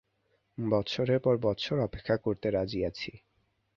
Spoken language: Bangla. বৎসরের পর বৎসর অপেক্ষা করতে রাজি আছি।